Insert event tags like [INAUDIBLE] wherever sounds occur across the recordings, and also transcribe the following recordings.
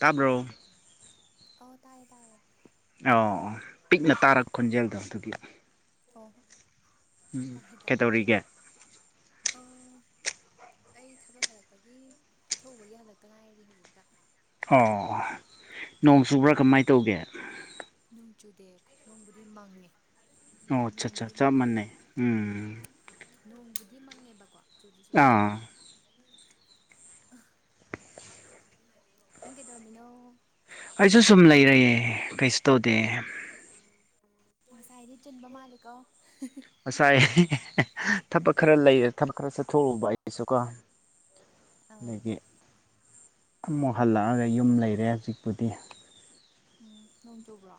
ꯇꯥꯕ꯭ꯔꯣ ꯑꯣ ꯇꯥꯏ ꯇꯥꯏ ꯌꯦ ꯑꯣ ꯄꯤꯛꯅ ꯇꯥꯔꯛ ꯈꯣꯟꯖꯦꯜꯗꯣ ꯑꯗꯨꯒꯤ ꯑꯣ ꯎꯝ ꯇꯥꯏꯌꯦ ꯀꯦ ꯇꯥꯏꯌꯦ ꯇꯧꯔꯤꯒꯦ ꯑꯧ ꯑꯩ ꯊꯕꯛ ꯍꯜꯂꯛꯄꯒꯤ ꯆꯠꯊꯣꯛꯎꯕꯒꯤ ꯍꯜꯂꯛꯇ ꯉꯥꯏꯔꯤ ꯍꯧꯖꯤꯛꯇ ꯑꯣ ꯅꯣꯡ ꯆꯨꯕ꯭ꯔꯥ ꯀꯃꯥꯏꯅ ꯇꯧꯒꯦ ꯅꯣꯡ ꯆꯨꯗꯦ ꯅꯣꯡꯕꯨꯗꯤ ꯃꯪꯉꯦ ꯑꯣ ꯑꯆꯥ ꯑꯆꯥ ꯅꯣꯡꯕꯨꯗꯤ ꯆꯞ ꯃꯪꯉꯦ ꯃꯥꯟꯅ ꯩ ꯎꯝ ꯃꯪꯗꯤ ꯃꯪꯉꯦꯕꯀꯣ ꯆꯨꯗꯤ ꯆꯨꯗꯦ ꯑꯥ ꯅꯪ ꯀꯩꯗꯧꯔꯝꯃꯤꯅꯣ ꯑꯩꯁꯨ ꯁꯨꯝ ꯂꯩꯔꯑꯦ ꯀꯩꯁꯨ ꯇꯧꯗꯦ ꯑꯣ ꯉꯁꯥꯏꯗꯤ ꯆꯤꯟꯕ ꯃꯥꯜꯂꯤꯀꯣ ꯍꯤꯍꯤ ꯉꯁꯥꯏ ꯍꯤꯍꯤꯍꯤ ꯊꯕꯛ ꯈꯔ ꯂꯩ ꯊꯕꯛ ꯈꯔ ꯆꯠꯊꯣꯛꯎꯕ ꯑꯩꯁꯨꯀꯣ ꯑꯧ ꯑꯗꯒꯤ ꯑꯃꯨꯛ ꯍꯜꯂꯛꯑꯒ ꯌꯨꯝ ꯂꯩꯔꯦ ꯍꯧꯖꯤꯛꯄꯨꯗꯤ ꯎꯝ ꯅꯣꯡ ꯆꯨꯕ꯭ꯔꯣ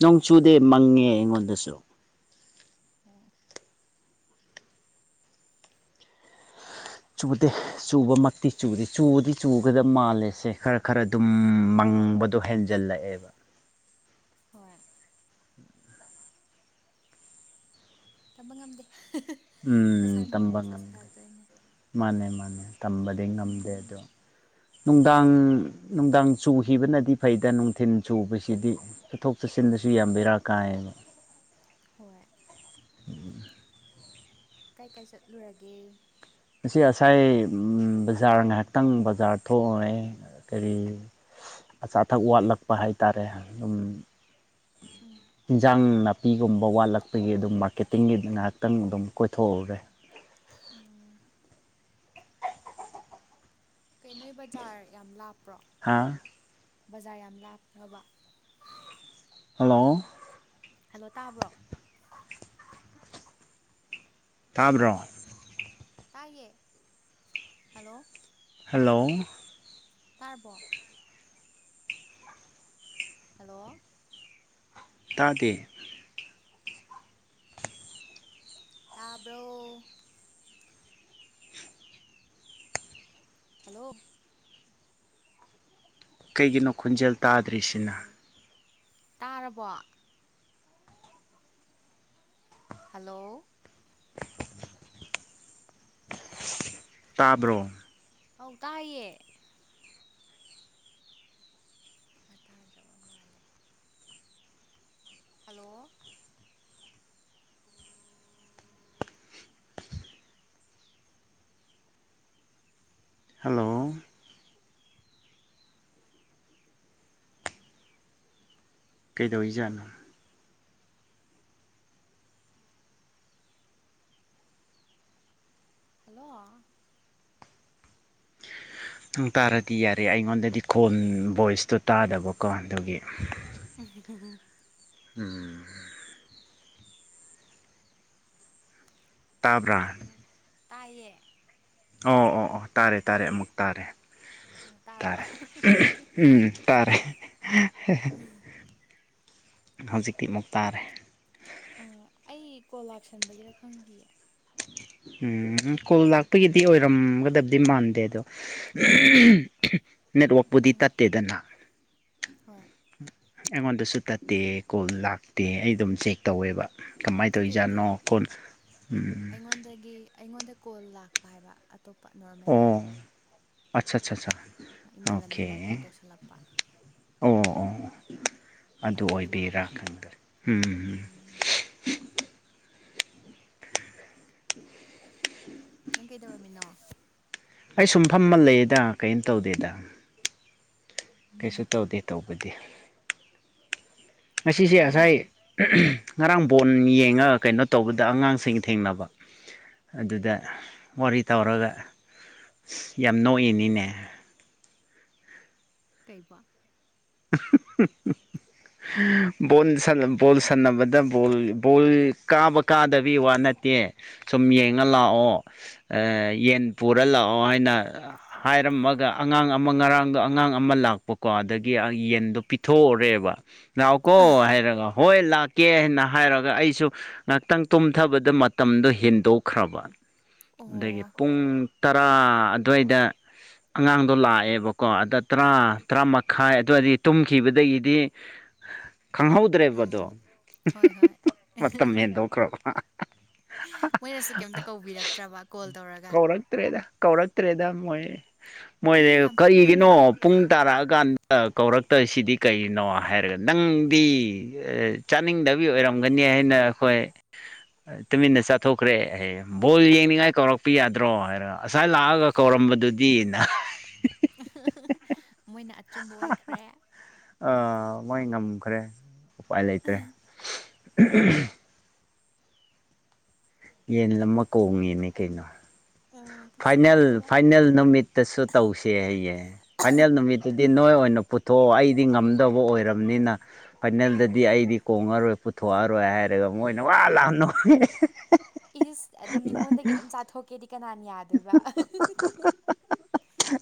ꯅꯣꯡ ꯆꯨꯗꯦ ꯃꯪꯉꯦ ꯑꯩꯉꯣꯟꯗꯁꯨ ꯑꯣ ꯆꯨꯗꯦ ꯆꯨꯕꯃꯛꯇꯤ ꯆꯨꯗꯦ ꯆꯨꯗꯤ ꯆꯨꯒꯗ ꯃꯥꯜꯂꯦꯁꯦ ꯈꯔ ꯈꯔ ꯑꯗꯨꯝ ꯃꯪꯕꯗꯣ ꯍꯦꯟꯖꯜꯂꯛꯑꯦꯕ ꯍꯣꯏ ꯇꯝꯕ ꯉꯝꯗꯦ ꯅꯨꯡꯁꯥ ꯎꯝ ꯇꯝꯕꯥ ꯁꯥꯅꯤꯡꯉꯥꯏꯗꯤ ꯁꯠ ꯉꯝꯗꯦ ꯁꯥꯔꯛꯇꯣꯏꯅꯦ ꯃꯥꯅꯦ ꯃꯥꯅꯦ ꯇꯝꯕꯗꯤ ꯉꯝꯗꯦ ꯎꯝ ꯑꯗꯣ ꯅꯨꯡꯗꯥꯡ ꯅꯨꯡꯗꯥꯡ ꯆꯨꯈꯤꯕꯅꯗꯤ ꯐꯩꯗ ꯅꯨꯡꯊꯤꯟ ꯆꯨꯕꯁꯤꯗꯤ ꯆꯠꯊꯣꯛ ꯆꯠꯁꯤꯟ ꯗꯁꯨ ꯌꯥꯝꯕꯦꯔꯥ ꯀꯥꯏꯌꯦꯕ ꯍꯣꯏ ꯎꯝ ꯀꯥꯏ ꯀꯥꯏ ꯆꯠꯂꯨꯔꯒꯦ ꯉꯁꯤ ꯉꯁꯥꯏ ꯕꯖꯥꯔ ꯉꯥꯏꯍꯥꯛꯇꯪ ꯕꯖꯥꯔ ꯊꯣꯛ ꯎꯔꯤ ꯎꯝ ꯀꯔꯤ ꯑꯆꯥ ꯑꯊꯛ ꯋꯥꯠꯂꯛꯄ ꯍꯥꯏꯇꯥꯔꯦ ꯑꯗꯨꯝ ꯎꯝ ꯏꯟꯖꯥꯡ ꯅꯥ ꯅꯥꯄꯤꯒꯨꯝꯕ ꯋꯥꯠꯂꯛꯄꯒꯤ ꯑꯗꯨꯝ ꯃꯥꯔꯀꯦꯇꯤꯡꯒꯤ ꯉꯥꯏꯍꯥꯛꯇꯪ ꯑꯗꯨꯝ ꯀꯣꯏꯊꯣꯛꯎꯔꯦ ꯎꯝ ꯀꯩꯅꯣ ꯕꯖꯥꯔ ꯌꯥꯝ ꯂꯥꯞꯄ꯭ꯔꯣ ꯍꯥꯥ ꯕꯖꯥꯔ ꯌꯥꯝ ꯂꯥꯞꯄ꯭ꯔꯕ ꯍꯜꯂꯣ ꯍꯜꯂꯣ ꯇꯥꯕ꯭ꯔꯣ ꯇꯥꯕ꯭ꯔꯣ ꯇꯥꯏꯌꯦ ꯍꯜꯂꯣ ꯍꯜꯂꯣ ꯇꯥꯔꯕꯣ ꯍꯜꯂꯣ ꯇꯥꯗꯦ ꯇꯥꯕ꯭ꯔꯣ ꯍꯜꯂꯣ ꯀꯩꯒꯤꯅꯣ ꯈꯣꯟꯖꯦꯜ ꯇꯥꯗ꯭ꯔꯤꯁꯤꯅꯥ ꯇꯥꯔꯕꯣ ꯍꯜꯂꯣ ꯇꯥꯕ꯭ꯔꯣ ꯑꯧ ꯇꯥꯏꯌꯦ ꯃꯥ ꯇꯥꯗ꯭ꯔꯕ ꯃꯥꯜꯂꯦ ꯍꯜꯂꯣ ꯍꯜꯂꯣ ꯀꯩꯗꯧꯏꯖꯥꯠꯅꯣ ꯍꯜꯂꯣ [UNINTELLIGIBLE] ꯗꯨ ꯇꯥꯔꯗꯤ ꯌꯥꯔꯦ ꯑꯩꯉꯣꯟꯗꯗꯤ ꯈꯣꯟ ꯚꯣꯏꯁꯇꯣ ꯇꯥꯗꯕꯀꯣ ꯑꯗꯨꯒꯤ ꯎꯝ ꯍꯝ ꯍꯝ ꯍꯝ ꯎꯝ ꯇꯥꯕ꯭ꯔꯥ ꯇꯥꯏꯌꯦ ꯑꯣ ꯑꯣ ꯑꯣ ꯇꯥꯔꯦ ꯇꯥꯔꯦ ꯑꯃꯨꯛ ꯇꯥꯔꯦ ꯑꯣ ꯇꯥꯔꯕ ꯇꯥꯔꯦ [UNINTELLIGIBLE] ꯎꯝ ꯇꯥꯔꯦ ꯍꯦ ꯍꯦ ꯍꯦ ꯍꯧꯖꯤꯛꯇꯤ ꯑꯃꯨꯛ ꯇꯥꯔꯦ ꯑꯥ ꯑꯩ ꯀꯣꯜ ꯂꯥꯛꯁꯟꯕꯒꯤꯔꯥ ꯈꯪꯗꯤꯌꯦ [UNINTELLIGIBLE] ꯎꯝ ꯀꯣꯜ ꯂꯥꯛꯄꯒꯤꯗꯤ ꯑꯣꯏꯔꯝꯒꯗꯕꯗꯤ ꯃꯥꯟꯗꯦ ꯑꯗꯣ [UNINTELLIGIBLE] ꯅꯦꯠꯋꯥꯛꯄꯨꯗꯤ ꯎꯝ ꯇꯠꯇꯦꯗꯅꯥ ꯍꯣꯏ ꯎꯝ ꯑꯩꯉꯣꯟꯗꯁꯨ ꯇꯠꯇꯦ ꯀꯣꯜ ꯂꯥꯛꯇꯦ ꯑꯩ ꯑꯗꯨꯝ ꯆꯦꯛ ꯇꯧꯋꯦꯕꯥ ꯀꯃꯥꯏꯅ ꯅꯠꯇꯦ ꯇꯧꯏ ꯅꯠꯇꯦ ꯖꯥꯠꯅꯣ [UNINTELLIGIBLE] ꯑꯩꯉꯣꯟꯗꯒꯤ ꯑꯩꯉꯣꯟꯗ ꯀꯣꯜ ꯂꯥꯛꯄ ꯍꯥꯏꯕ ꯑꯇꯣꯞꯄ ꯅꯣꯔꯃꯦꯜ ꯀꯣꯜ ꯑꯆ ꯆ ꯆꯥ ꯑꯣ ꯏꯃꯥꯟꯅꯕꯤ ꯀꯦ ꯑꯃ ꯀꯣꯜ ꯇꯧꯁꯜꯂꯛꯄ ꯑꯣ ꯑꯣ ꯑꯗꯨ ꯑꯗꯨꯒꯤ ꯑꯣꯏꯕꯩꯔꯥ ꯃꯥꯜꯂꯦ ꯈꯪꯗꯦ ꯎꯝ [UNINTELLIGIBLE] [UNINTELLIGIBLE] ꯅꯪ ꯀꯩꯗꯧꯔꯝꯃꯤꯅꯣ ꯑꯩ ꯁꯨꯝ ꯐꯝꯃ ꯂꯩꯌꯦꯗꯥ ꯀꯦꯝ ꯇꯧꯗꯦꯗꯥ ꯎꯝ ꯀꯩꯁꯨ ꯇꯧꯗꯦ ꯇꯧꯕꯗꯤ ꯑꯁꯤꯁꯦ ꯉꯔꯥꯡ ꯑꯁꯥꯏ [UNINTELLIGIBLE] ꯉꯔꯥꯡ ꯕꯣꯟ ꯌꯦꯡꯉ ꯀꯩꯅꯣ ꯇꯧꯕꯗ ꯑꯉꯥꯡꯁꯤꯡ ꯊꯦꯡꯅꯕ ꯑꯗꯨꯗ ꯋꯥꯔꯤ ꯇꯧꯔꯒ ꯌꯥꯝ ꯅꯣꯛꯏꯅꯤꯅꯦ ꯀꯩꯕꯣ [UNINTELLIGIBLE] ꯕꯣꯟ ꯁꯥꯅꯕ ꯕꯣꯜ ꯁꯥꯟꯅꯕꯗ ꯕꯣꯜ ꯕꯣꯜ ꯀꯥꯕ ꯀꯥꯗꯕꯤ ꯋꯥ ꯅꯠꯇꯦ ꯨꯌꯦ ꯁꯨꯝ ꯌꯦꯡꯉ ꯂꯛꯑꯣ ꯌꯦꯟ ꯄꯨꯔ ꯂꯥꯛꯑꯣ ꯍꯥꯏꯅ ꯍꯥꯢꯔ ꯍꯥꯏꯔꯝꯃꯒ ꯑꯉꯥꯡ ꯑꯃ ꯉꯔꯥꯡꯗꯣ ꯑꯉꯥꯡ ꯑꯃ ꯂꯥꯛꯄꯀꯣ ꯑꯗꯒꯤ ꯌꯦꯟꯗꯣ ꯄꯤꯊꯣꯛ ꯎꯔꯦꯕ ꯂꯅꯥꯎ ꯀꯣ ꯍꯥꯏꯔꯒ ꯍꯣꯏ ꯂꯛ ꯀꯦ ꯍꯥꯏꯅ ꯍꯥꯏꯔꯒ ꯑꯩꯁꯨ ꯉꯍꯥꯛꯇꯪ ꯇꯨꯝꯊꯕꯗ ꯃꯇꯝꯗꯣ ꯍꯦꯟꯗꯣꯛꯈ꯭ꯔꯕ ꯑꯗꯒꯤ ꯑꯣ ꯄꯨꯡ ꯇꯔꯥ ꯑꯗꯨꯋꯥꯏꯗ ꯑꯉꯥꯡꯗꯣ ꯂꯥꯛꯑꯦꯕꯀꯣ ꯑꯗ ꯇꯔꯥ ꯇꯔꯥ ꯃꯈꯥꯏ ꯑꯗꯋꯥꯏ ꯗꯒꯤ ꯑꯗꯨꯗꯩꯗꯤ ꯇꯨꯝꯈꯤꯕꯗꯒꯤꯗꯤ ꯈꯪꯍꯧꯗ꯭ꯔꯦꯕ ꯑꯗꯣ ꯎꯝ ꯍꯣꯏ ꯍꯣꯏ ꯍꯤꯍꯤꯍꯤꯍꯤ ꯃꯇꯝ ꯍꯦꯟꯗꯣꯛꯈ꯭ꯔꯕ ꯃꯣꯏꯅꯁꯨ ꯀꯩꯝꯇ ꯀꯧꯕꯤꯔꯛꯇ꯭ꯔꯕ ꯀꯣꯜ ꯇꯧꯔꯒ ꯀꯧꯔꯛꯇ꯭ꯔꯦꯗ ꯀꯧꯔꯛꯇ꯭ꯔꯦꯗ ꯃꯣꯏ ꯑꯦ ꯃꯣꯏꯁ ꯌꯥꯝ ꯐꯠꯇꯦꯅ ꯀꯩꯒꯤꯅꯣ ꯄꯨꯡ ꯇꯥꯔꯛ ꯑꯀꯥꯟꯗ ꯀꯧꯔꯛ ꯇꯁꯤꯗꯤ ꯀꯩꯅꯣ ꯍꯥꯏꯔꯒ ꯅꯪꯗꯤ ꯆꯥꯅꯤꯡꯗꯕꯤ ꯑꯣꯏꯔꯝꯒꯅꯤ ꯍꯥꯏꯅ ꯑꯩꯈꯣꯏ ꯇꯨꯃꯤꯟꯅ ꯆꯥꯊꯣꯛꯈ꯭ꯔꯦ ꯍꯥꯢꯌꯦ ꯕꯣꯜ ꯌꯦꯡꯅꯤꯡꯉꯥꯏ ꯀꯧꯔꯛꯄ ꯌꯥꯗ꯭ꯔꯣ ꯍꯥꯏꯔꯒ ꯉꯁꯥꯏ ꯂꯥꯛꯑꯒ ꯀꯧꯔꯝꯕ ꯕꯗꯨ ꯗꯤꯅ ꯍꯥꯏ ꯃꯣꯏꯅ ꯑꯆꯨꯝꯕ ꯑꯣꯏꯈ꯭ꯔꯦ ꯑꯥ ꯃꯣꯏ ꯉꯝꯈ꯭ꯔꯦ ꯎꯄꯥꯏ ꯂꯩꯇ꯭ꯔꯦ ꯌꯦꯟ ꯑꯃ ꯀꯣꯡꯉꯤꯅꯦ ꯀꯩꯅꯣ ꯎꯝ ꯀꯩꯁꯨ ꯐꯥꯏꯅꯦꯜ ꯀꯥꯏꯗꯦꯗ ꯐꯥꯏꯅꯦꯜ ꯅꯨꯃꯤꯠꯇꯁꯨ ꯇꯧꯁꯦ ꯍꯥꯢꯌꯦ ꯐꯥꯏꯅꯦꯜ ꯅꯨꯃꯤꯠꯇꯨ ꯅꯣꯏ ꯑꯣꯏꯅ ꯄꯨꯊꯣꯛꯑꯣ ꯑꯩꯗꯤ ꯉꯝꯗꯕ ꯑꯣꯏꯔꯕꯅꯤꯅ ꯐꯥꯏꯅꯦꯜꯗꯗꯤ ꯑꯩꯗꯤ ꯀꯣꯡꯉꯔꯣꯏ ꯄꯨꯊꯣꯛꯑꯔꯣꯏ ꯍꯥꯏꯔꯒ ꯃꯣꯏꯅ ꯋꯥ ꯂꯥꯎꯅ ꯅꯣꯛꯑꯦ ꯍꯤꯍꯤꯍꯤꯍꯤꯍꯤ ꯏꯁ ꯑꯗꯨꯝ ꯃꯤꯉꯣꯟꯗꯒꯤ ꯑꯗꯨꯝ ꯆꯥꯊꯣꯛꯀꯦꯗꯤ ꯀꯅꯥꯅ ꯌꯥꯏ ꯌꯥꯗꯣꯏꯕ ꯑꯥ ꯍꯤꯍꯤꯍꯤꯍꯤ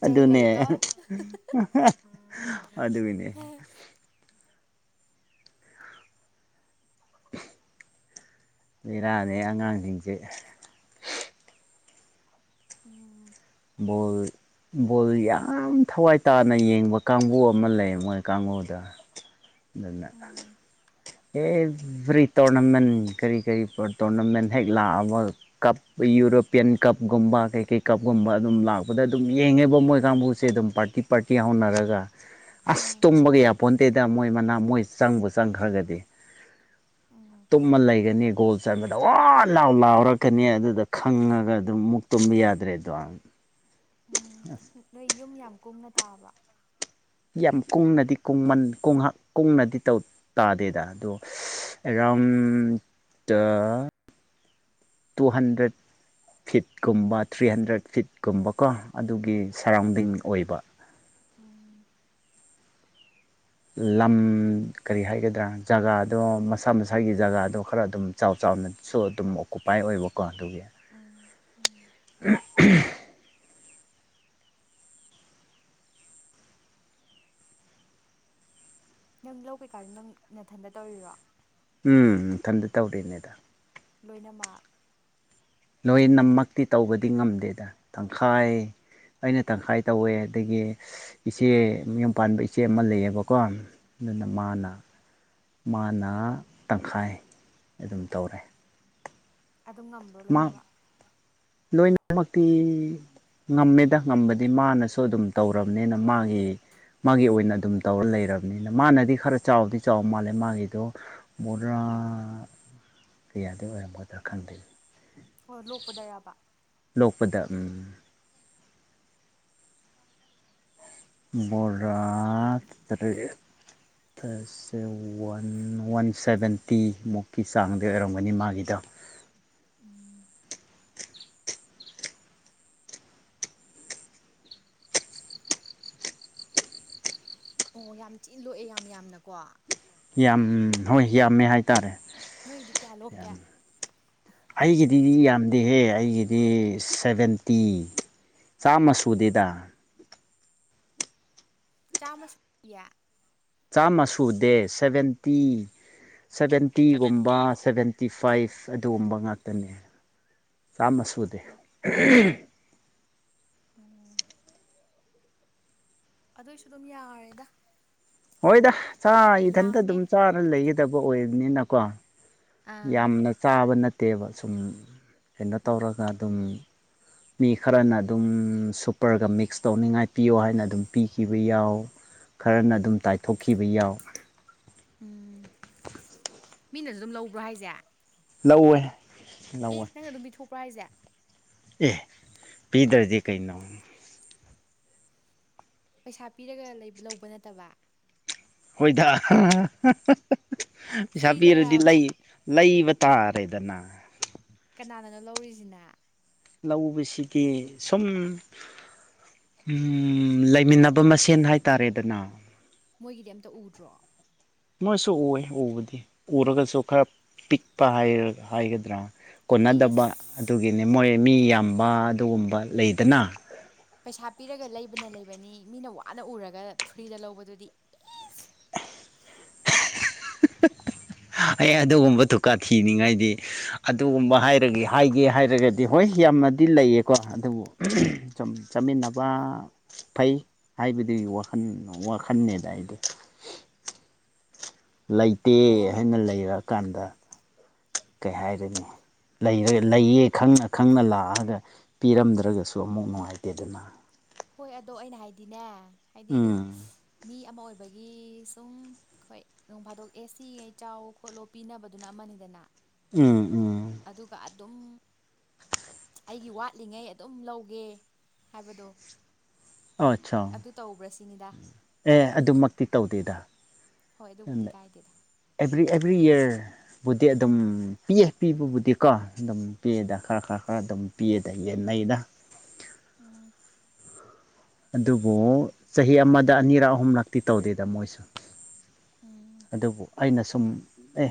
ꯆꯩ ꯂꯩꯀꯣ ꯑꯗꯨꯅꯦ ꯎꯝꯍꯤꯍꯤꯍꯤ ꯑꯗꯨꯅꯦ ꯕꯦꯔꯥꯅꯦ ꯑꯉꯥꯡꯁꯤꯡꯁꯦ ꯎꯝ [INAUDIBLE] ꯍꯣꯢꯠ ꯕꯣꯜ ꯌꯥꯝ ꯊꯋꯥꯏ ꯇꯥꯅ ꯌꯦꯡꯕ ꯀꯥꯡꯕꯨ ꯑꯃ ꯂꯩ ꯃꯣꯏ ꯀꯥꯡꯕꯨꯗ ꯑꯗꯨꯅ ꯎꯝ ꯑꯦꯚ꯭ꯔꯤ ꯇꯣꯔꯅꯥꯃꯦꯟ ꯀꯔꯤ ꯀꯔꯤ ꯇꯣꯔꯅꯥꯃꯦꯟ ꯍꯦꯛ ꯂꯥꯛꯑꯕ ꯀꯞ ꯌꯨꯔꯣꯄꯤꯌꯟ ꯀꯞ ꯒꯨꯝꯕꯥ ꯀꯩ ꯀꯩ ꯀꯞ ꯒꯨꯝꯕ ꯑꯗꯨꯝ ꯂꯥꯛꯄꯗ ꯑꯗꯨꯝ ꯌꯦꯡꯉꯦꯕ ꯃꯣꯏ ꯀꯥꯡꯕꯨꯁꯦ ꯑꯗꯨꯝ ꯄꯥꯔꯇꯤ ꯄꯥꯔꯇꯤ ꯍꯧꯅꯔꯒ ꯑꯁ ꯎꯝ ꯇꯨꯝꯕꯒ ꯌꯥꯄꯣꯟꯗꯦꯗ ꯃꯣꯏ ꯃꯅꯥ ꯃꯣꯏ ꯆꯪꯕ ꯆꯪꯈ꯭ꯔꯒꯗꯤ ꯎꯝ [INAUDIBLE] ꯇꯨꯝꯃ ꯂꯩꯒꯅꯤ ꯒꯣꯜ ꯆꯟꯕꯗ ꯋꯥ ꯂꯥꯎ ꯂꯥꯎꯔꯛꯀꯅꯤ ꯑꯗꯨꯗ ꯈꯪꯉꯒ ꯑꯗꯨꯝ ꯃꯨꯛ ꯇꯨꯝꯕ ꯌꯥꯗ꯭ꯔꯦ ꯇꯥꯢ ꯎꯝ ꯅꯣꯏ ꯌꯨꯝ ꯌꯥꯝ ꯀꯨꯡꯅ ꯇꯥꯕ꯭ꯔꯥ ꯌꯥꯝ ꯀꯨꯡꯅꯗꯤ ꯀꯨꯡꯃꯟ ꯀꯟꯍ ꯀꯨꯡꯅꯗꯤ ꯇꯥꯗꯦꯗ ꯑꯗꯣ ꯑꯦꯔꯥꯎꯟ ꯇꯥ ꯇꯨ ꯍꯟꯗ꯭ꯔꯦꯠ ꯐꯤꯠꯀꯨꯝꯕ ꯊ꯭ꯔꯤ ꯍꯟꯗ꯭ꯔꯦꯠ ꯐꯤꯠꯀꯨꯝꯕꯀꯣ ꯑꯗꯨꯒꯤ ꯁꯔꯥꯎꯟꯗꯤꯡ ꯑꯣꯏꯕ ꯎꯝ ꯂꯝ ꯀꯔꯤ ꯍꯥꯏꯒꯗ꯭ꯔꯥ ꯖꯒꯥꯗꯣ ꯃꯁꯥ ꯃꯁꯥꯒꯤ ꯖꯒꯥꯗꯣ ꯈꯔ ꯑꯗꯨꯝ ꯆꯥꯎ ꯆꯥꯎ ꯆꯥꯎꯅꯁꯨ ꯑꯗꯨꯝ ꯑꯣꯀꯨꯄꯥꯏ ꯑꯣꯏꯕꯀꯣ ꯑꯗꯨꯒꯤ ꯎꯝ ꯎꯝ ꯑꯍꯝ ꯑꯍꯝ ꯅꯪ ꯂꯧ ꯀꯩꯀꯥꯗ ꯅꯪ ꯅꯥꯊꯟꯇ ꯇꯧꯔꯤꯔꯣ ꯎꯝ ꯏꯊꯟꯇ ꯇꯧꯔꯤꯅꯦꯗ ꯂꯣꯏꯅꯃꯛ ꯂꯣꯏ ꯅꯃꯛꯇꯤ ꯇꯧꯕꯗꯤ ꯉꯝꯗꯦꯗ ꯇꯪꯈꯥꯏ ꯑꯩꯅ ꯇꯪꯈꯥꯏ ꯇꯧꯋꯦ ꯑꯗꯒꯤ ꯏꯆꯦ ꯃꯌꯨꯝ ꯄꯥꯟꯕ ꯏꯆꯦ ꯑꯃ ꯂꯩꯌꯦꯕꯀꯣ ꯑꯗꯨꯅ ꯑꯥ ꯃꯥꯅ ꯃꯥꯅ ꯇꯪꯈꯥꯏ ꯑꯗꯨꯝ ꯇꯧꯔꯦ ꯑꯗꯨꯝ ꯉꯝꯕ꯭ꯔꯣ ꯂꯣꯏꯅꯃꯛ ꯂꯣꯢꯅꯃꯛꯇꯤ ꯉꯝꯃꯦꯗ ꯉꯝꯕꯗꯤ ꯃꯥꯅꯁꯨ ꯑꯗꯨꯝ ꯇꯧꯔꯕꯅꯤꯅ ꯃꯥꯒꯤ ꯃꯥꯒꯤ ꯑꯣꯏꯅ ꯑꯗꯨꯝ ꯇꯧꯔ ꯂꯩꯔꯕꯅꯤꯅ ꯃꯥꯅꯗꯤ ꯈꯔ ꯆꯥꯎꯗꯤ ꯆꯥꯎ ꯃꯥꯜꯂꯦ ꯃꯥꯒꯤꯗꯣ ꯃꯣꯔꯥ ꯀꯩꯌꯥꯗꯤ ꯑꯣꯏꯔꯝꯒꯗ꯭ꯔ ꯈꯪꯗꯦ ꯑꯣ ꯂꯣꯛꯄꯗꯔꯕ ꯂꯣꯛꯄꯗ ꯎꯝ ꯕꯣꯔꯥ ꯇꯔꯦꯠ ꯊꯁꯁꯦ ꯋꯥꯟ ꯋꯥꯟ ꯁꯚꯦꯟꯇꯤ ꯃꯨꯛꯀꯤ ꯆꯥꯡꯗ ꯑꯣꯏꯔꯝꯒꯅꯤ ꯃꯥꯒꯤꯗꯣ [INAUDIBLE] ꯎ [INAUDIBLE] ꯑꯣ ꯌꯥꯝ ꯊꯤꯅ ꯂꯣꯛꯑꯦ ꯌꯥꯝ ꯌꯥꯝꯅꯀꯣ ꯌꯥꯝ ꯍꯣꯏ ꯌꯥꯝꯃꯦ ꯍꯥꯏꯇꯥꯔꯦ ꯅꯣꯏꯗꯤ ꯀꯌꯥꯂꯣꯀꯦ ꯗꯤ ꯌꯥꯝꯗꯦꯍꯦ ꯑꯩꯒꯤꯗꯤ ꯁꯚꯦꯟꯇꯤ ꯆꯥꯝꯃ ꯁꯨꯗꯦꯗ ꯆꯥꯝꯃ ꯁꯨꯗꯤꯌꯦ ꯆꯥꯝꯃ ꯁꯨꯗꯦ ꯁꯚꯦꯟꯇꯤ ꯁꯚꯦꯟꯇꯤꯒꯨꯝꯕ ꯁꯚꯦꯟꯇꯤ ꯐꯥꯏꯚ ꯑꯗꯨꯒꯨꯝꯕ ꯉꯥꯛꯇꯅꯦ ꯆꯥꯃ ꯁꯨꯗꯦ ꯎꯝ ꯎꯝ [INAUDIBLE] ꯑꯗꯨꯑꯣꯏꯁꯨ ꯑꯗꯨꯝ ꯌꯥꯔꯦꯗ ꯍꯣꯏꯗ ꯆꯥ ꯏꯊꯟꯇ ꯌꯥꯝꯃꯦ ꯑꯗꯨꯝ ꯆꯥꯔ ꯂꯩꯒꯗꯕ ꯑꯣꯏꯕꯅꯤꯅꯀꯣ ꯑꯥ ꯌꯥꯝꯅ ꯆꯥꯕ ꯅꯠꯇꯦꯕ ꯁꯨꯝ ꯀꯩꯅꯣ ꯍꯣꯏ ꯇꯧꯔꯒ ꯑꯗꯨꯝ ꯃꯤ ꯈꯔꯅ ꯑꯗꯨꯝ ꯁꯨꯄꯔꯒ ꯃꯤꯛꯁ ꯇꯧꯅꯤꯡꯉꯥꯏ ꯄꯤꯌꯣ ꯍꯥꯏꯅ ꯑꯗꯨꯝ ꯄꯤꯈꯤꯕ ꯌꯥꯎ ꯈꯔꯅ ꯑꯗꯨꯝ ꯇꯥꯏꯊꯣꯛꯈꯤꯕ ꯌꯥꯎ ꯎꯝ ꯃꯤꯅꯁꯨ ꯑꯗꯨꯝ ꯂꯧꯕ꯭ꯔꯣ ꯍꯥꯏꯁꯦ ꯂꯧꯋꯦ ꯑꯦ ꯅꯪꯅ ꯑꯗꯨꯝ ꯄꯤꯊꯣꯛꯄ꯭ꯔꯥ ꯍꯥꯏꯁꯦ ꯑꯦꯍ ꯄꯤꯗ꯭ꯔꯗꯤ ꯀꯩꯅꯣ ꯄꯩꯁꯥ ꯄꯤꯔꯒ ꯂꯧꯕ ꯅꯠꯇꯕ ꯍꯣꯏꯗ ꯍꯥꯍꯥꯍꯥ ꯄꯩꯁꯥ ꯄꯤꯔꯗꯤ ꯐ꯭ꯔꯤꯗꯔꯕ ꯂꯩ ꯂꯩꯕ ꯇꯥꯔꯦꯗꯅ ꯅꯥꯅꯅ ꯂꯧꯔꯤꯁꯤꯅꯦ ꯂꯧꯕꯁꯤꯒꯤ ꯁꯨꯝ ꯎꯝ ꯂꯩꯃꯤꯟꯅꯕ ꯃꯁꯦꯟ ꯍꯥꯏꯇꯥꯔꯦꯗꯅ ꯃꯣꯏꯒꯤꯗꯤ ꯑꯝꯇ ꯎꯗ꯭ꯔꯣ ꯃꯣꯏꯁꯨ ꯎ ꯎꯕꯗꯤ ꯎꯔꯒꯁꯨ ꯈꯔ ꯄꯤꯛꯄ ꯍꯥꯏꯒꯗ꯭ꯔꯥ ꯀꯣꯟꯅꯗꯕ ꯏꯁ ꯑꯗꯨꯒꯤꯅꯦ ꯃꯣꯏ ꯃꯤ ꯌꯥꯝꯕ ꯑꯗꯨꯒꯨꯝꯕ ꯂꯩꯗꯅ ꯄꯩꯁꯥ ꯄꯤꯔꯒ ꯂꯩꯕꯅ ꯂꯩꯕꯅꯤ ꯃꯤꯅ ꯋꯥꯅ ꯎꯔꯒ ꯐ꯭ꯔꯤꯗ ꯂꯧꯕꯗꯨꯗꯤ ꯑꯦꯁ [INAUDIBLE] [UNINTELLIGIBLE] ꯑꯩ ꯑꯗꯨꯒꯨꯝꯕ ꯗꯨꯀꯥ ꯊꯤꯅꯤꯡꯉꯥꯏꯗꯤ ꯑꯗꯨꯒꯨꯝꯕ ꯍꯥꯏꯔꯒ ꯍꯥꯏꯒꯦ ꯍꯥꯏꯔꯒꯗꯤ ꯍꯣꯏ ꯌꯥꯝꯅꯗꯤ ꯂꯩꯌꯦꯀꯣ ꯑꯗꯨꯕꯨ ꯆꯠ ꯆꯠꯃꯤꯟꯅꯕ ꯐꯩ ꯍꯥꯏꯕꯗꯨꯒꯤ ꯋꯥꯈꯜ ꯋꯥꯈꯜꯅꯦꯗ ꯑꯩꯗꯤ ꯂꯩꯇꯦ ꯑꯣ ꯍꯥꯏꯅ ꯂꯩꯔꯛꯀꯥꯟꯗ ꯀꯩ ꯍꯥꯏꯗꯣꯢꯅꯣ ꯂꯩꯔ ꯂꯩꯌꯦ ꯈꯪꯅ ꯈꯪꯅ ꯂꯥꯛꯑꯒ ꯄꯤꯔꯝꯗ꯭ꯔꯒꯁꯨ ꯑꯃꯨꯛ ꯅꯨꯡꯉꯥꯏꯇꯦꯗꯅ ꯍꯣꯏ ꯑꯗꯣ ꯑꯩꯅ ꯍꯥꯏꯗꯤꯅꯦ ꯍꯥꯏꯗꯤ ꯑꯗꯨꯝ ꯎꯝ ꯃꯤ ꯑꯃ ꯑꯣꯏꯕꯒꯤ ꯁꯨꯝ ꯍꯣꯏ ꯅꯣꯡ ꯐꯥꯗꯣꯛ ꯑꯦꯁꯤꯒꯩ ꯆꯥꯎ ꯈꯣꯠꯂꯣ ꯄꯤꯅꯕꯗꯨꯅ ꯑꯃꯅꯤꯗꯅ ꯑꯨꯝ ꯑꯨꯝ ꯑꯗꯨꯒ ꯑꯗꯨꯝ ꯑꯩꯒꯤ ꯋꯥꯠꯂꯤꯉꯩ ꯑꯗꯨꯝ ꯂꯧꯒꯦ ꯍꯥꯏꯕꯗꯣ ꯑꯆꯥ ꯑꯗꯨ [UNINTELLIGIBLE] ꯑꯦ ꯑꯗꯨꯃꯛꯇꯤ ꯇꯧꯗꯦꯗ ꯍꯣꯏ ꯑꯗꯨꯕꯨꯗꯤ ꯅꯪꯅ ꯀꯥꯏꯗꯦꯗ ꯑꯦꯕ꯭ꯔꯤ ꯑꯦꯕ꯭ꯔꯤ ꯏꯌꯔ ꯄꯣꯠꯇꯤ ꯑꯗꯨꯝ ꯄꯤꯌꯦ ꯄꯤꯕꯕꯨꯗꯤ ꯀꯣ ꯑꯗꯨꯝ ꯄꯤꯌꯦꯗ ꯈꯔ ꯈꯔ ꯈꯔ ꯑꯗꯨꯝ ꯄꯤꯌꯦꯗ ꯆꯟꯅꯩꯗ ꯑꯨꯝ ꯑꯗꯨꯕꯨ ꯆꯍꯤ ꯑꯃꯗ ꯑꯅꯤꯔꯛ ꯑꯍꯨꯝꯂꯛꯇꯤ ꯇꯧꯗꯦꯗ ꯃꯣꯏꯁꯨ ꯎꯝ ꯑꯗꯨꯕꯨ ꯑꯩꯅ ꯁꯨꯝ ꯑꯦ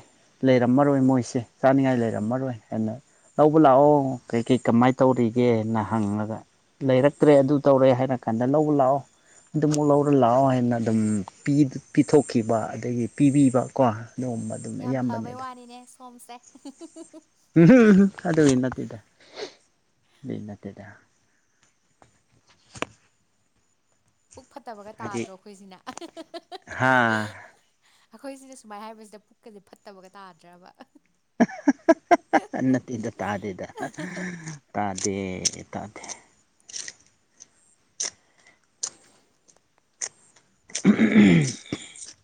ꯂꯩꯔꯝꯃꯔꯣꯏ ꯃꯣꯏꯁꯦ ꯆꯥꯅꯤꯡꯉꯥꯏ ꯂꯩꯔꯝꯃꯔꯣꯏ ꯍꯥꯏꯅ ꯂꯧꯕ ꯂꯥꯛꯑꯣ ꯀꯩ ꯀꯩ ꯀꯃꯥꯏꯅ ꯇꯧꯔꯤꯒꯦꯅ ꯍꯪꯂꯉꯒ ꯂꯩꯔꯛꯇ꯭ꯔꯦ ꯑꯗꯨ ꯇꯧꯔꯦ ꯍꯥꯏꯔ ꯀꯟꯗ ꯂꯧꯕ ꯂꯥꯛꯑꯣ ꯑꯗꯨꯃꯛꯨꯛ ꯂꯧꯔ ꯂꯥꯛꯑꯣ ꯍꯥꯏꯅ ꯑꯗꯨꯝ ꯄꯤꯊꯣꯛꯈꯤꯕ ꯑꯗꯒꯤ ꯄꯤꯕꯤꯕ ꯀꯣ ꯅꯣꯡꯃꯥ ꯑꯗꯨꯝ ꯑꯌꯥꯝꯕꯅꯤꯗ ꯀꯝꯁꯦ [INAUDIBLE] ꯑꯨꯡ ꯍꯨꯡ ꯑꯨꯡ ꯑꯗꯨꯒꯤ ꯅꯠꯇꯦꯗ ꯑꯗꯨꯏ ꯅꯠꯇꯦꯗ ꯄꯨꯛ ꯐꯠꯇꯕꯒ ꯍꯥꯏꯗꯤ ꯇꯥꯗ꯭ꯔꯣ ꯑꯩꯈꯣꯏꯁꯤꯅ ꯍꯥ ꯑꯩꯈꯣꯏꯁꯤꯅ ꯁꯨꯃꯥꯏꯅ ꯍꯥꯏꯕꯁꯤꯗ ꯄꯨꯛꯀꯁꯦ ꯐꯠꯇꯕꯒ ꯇꯥꯗ꯭ꯔꯕ [INAUDIBLE] ꯅꯠꯇꯦꯗ ꯇꯥꯗꯦꯗ ꯇꯥꯗꯦ ꯇꯥꯗꯦ [INAUDIBLE]